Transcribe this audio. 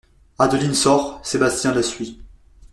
Adeline sort, Sébastien la suit.